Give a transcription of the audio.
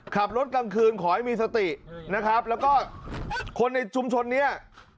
กลางคืนขอให้มีสตินะครับแล้วก็คนในชุมชนเนี่ย